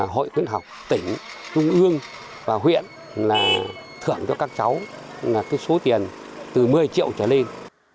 hội khuyến học tỉnh trung ương và huyện là thưởng cho các cháu là số tiền từ một mươi triệu trở lên